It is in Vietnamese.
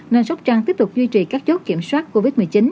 nên sóc trăng tiếp tục duy trì các chốt kiểm soát covid một mươi chín